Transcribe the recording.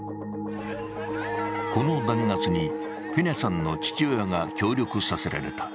この弾圧にペニャさんの父親が協力させられた。